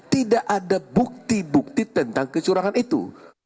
tidak ada bukti bukti tentang kecurangan itu